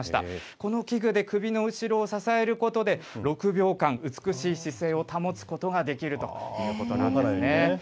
この器具で首の後ろを支えることで、６秒間美しい姿勢を保つことができるということなんですね。